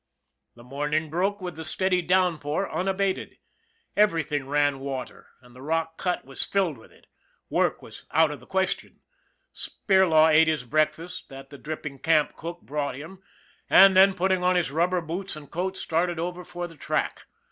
The morning broke with the steady downpour un abated. Everything ran water, and the rock cut was rilled with it. Work was out of the question. Spir law ate his breakfast, that the dripping camp cook brought him, and then, putting on his rubber boots and coat, started over for the track.